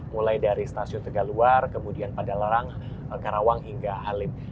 mulai dari stasiun tegaluar kemudian padalarang karawang hingga halim